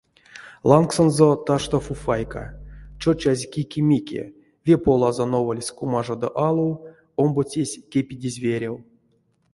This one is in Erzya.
Лангсонзо ташто фуфайка — чочазь кики-мики: ве полазо новольсь кумажадо алов, омбоцесь кепедезь верев.